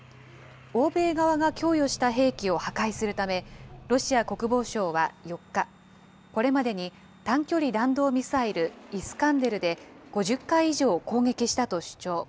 欧米側が供与した兵器を破壊するため、ロシア国防省は４日、これまでに短距離弾道ミサイル、イスカンデルで５０回以上攻撃したと主張。